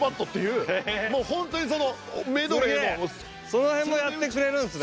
その辺もやってくれるんですね。